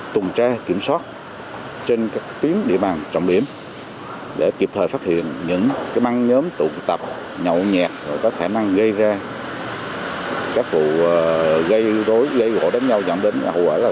tùng tre kiểm soát trên các tiếng địa bàn trọng điểm để kịp thời phát hiện những cái băng nhóm tụ tập nhậu nhẹt và các khả năng gây ra các vụ gây rối gây gỗ đánh nhau dẫn đến nhà hội